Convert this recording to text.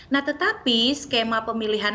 nah tetapi skema pemilihan